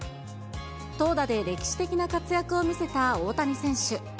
投打で歴史的な活躍を見せた大谷選手。